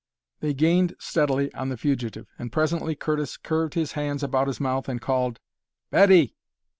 They gained steadily on the fugitive, and presently Curtis curved his hands about his mouth and called, "Betty!